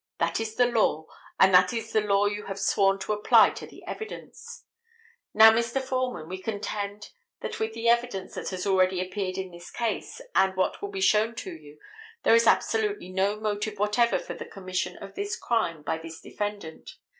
That is the law, and that is the law you have sworn to apply to the evidence. Now Mr. Foreman, we contend that with the evidence that has already appeared in this case, and what will be shown to you, there is absolutely no motive whatever for the commission of this crime by this defendant.